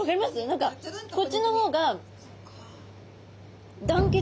何かこっちの方が団結！